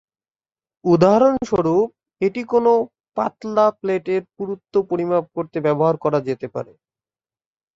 উদাহরণস্বরূপ, এটি কোনো পাতলা প্লেটের পুরুত্ব পরিমাপ করতে ব্যবহার করা যেতে পারে।